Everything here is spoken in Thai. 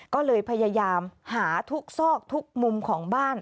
ก็เลยพยายามหาทุกซอกทุกมุมของบ้าน